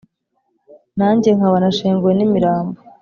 nanjye nkaba nashenguwe n' imirambo,